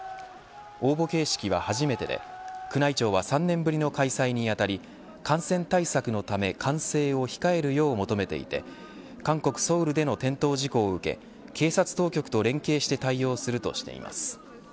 応募形式は初めてで宮内庁は３年ぶりの開催に当たり感染対策のため歓声を控えるよう求めていて韓国、ソウルでの転倒事故を受け警察当局と連携して対応するとしています。